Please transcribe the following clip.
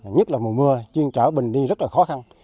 nhất là mùa mưa chuyên trở bình đi rất là khó khăn